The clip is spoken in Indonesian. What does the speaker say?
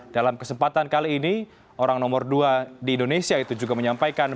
dalam kesempatan kali ini orang nomor dua di indonesia itu juga menyampaikan